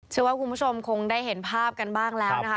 เชื่อว่าคุณผู้ชมคงได้เห็นภาพกันบ้างแล้วนะคะ